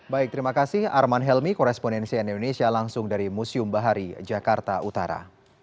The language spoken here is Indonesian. baik terima kasih arman helmi korespondensi nn indonesia langsung dari museum bahari jakarta utara